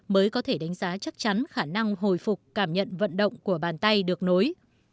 mới có thể đánh giá chắc chắn khả năng hồi phục cảm nhận vận động của bàn tay được nối